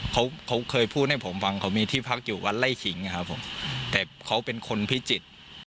เขาเขาเคยพูดให้ผมฟังเขามีที่พักอยู่วัดไล่ขิงนะครับผมแต่เขาเป็นคนพิจิตร